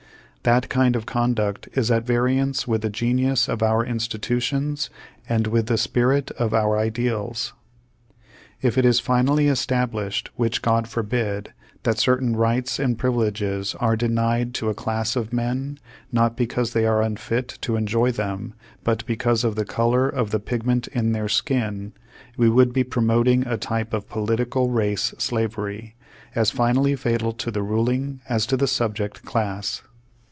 That kind of conduct is at variance with the genius of our institutions and with the spirit of our ideals. If it is finally established, which God forbid, that certain rights and privileges are denied to a class of men, not because they are unfit to en joy them, but because of the color of the pigment in their skin, we would be promoting a type of Page Two Hundred fourteeii political race slavery, as finally fatal to the ruling as to the subject class.